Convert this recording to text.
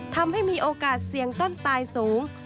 ทำให้มีโอกาสเสี่ยงต้นตายสูง